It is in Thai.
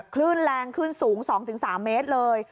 คลื่นแรงขึ้นสูง๒๓เมตรเลย